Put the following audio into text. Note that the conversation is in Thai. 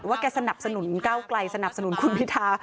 แกสนับสนุนก้าวไกลสนับสนุนคุณพิทา